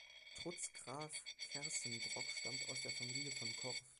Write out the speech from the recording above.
Trutz Graf Kerssenbrock stammt aus der Familie von Korff.